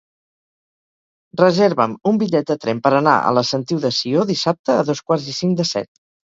Reserva'm un bitllet de tren per anar a la Sentiu de Sió dissabte a dos quarts i cinc de set.